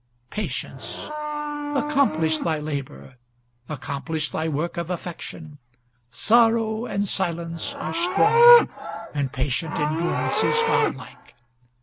Patience; accomplish thy labor; accomplish thy work of affection! Sorrow and silence are strong, and patient endurance is godlike.